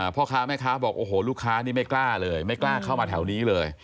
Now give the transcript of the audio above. พ่อค้าแม่ค้าบอกโอ้โหลูกค้านี่ไม่กล้าเลยไม่กล้าเข้ามาแถวนี้เลย